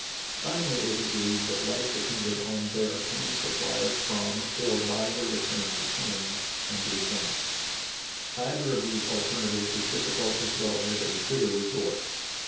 Finally it was agreed that life depended on their obtaining supplies from or by their return to Kane and the Advance — either of these alternatives a difficult as well as a bitter resort.